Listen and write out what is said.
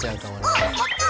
おっやった。